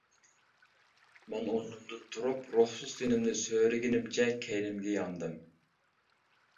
مەن ئورنۇمدىن تۇرۇپ، روھسىز تىنىمنى سۆرىگىنىمچە كەينىمگە ياندىم.